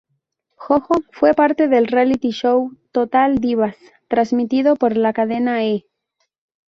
JoJo fue parte del reality show "Total Divas" transmitido por la cadena E!